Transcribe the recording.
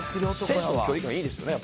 選手との距離感いいですよね